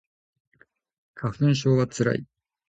花粉症はつらい